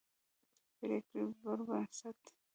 پرېکړې پربنسټ